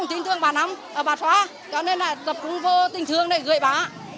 tỉnh thương bà năm bà xoa cho nên là tập trung vô tỉnh thương này gửi bà